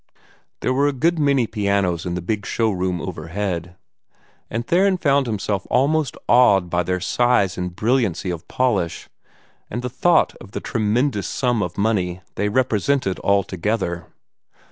There were a good many pianos in the big show room overhead, and Theron found himself almost awed by their size and brilliancy of polish, and the thought of the tremendous sum of money they represented altogether.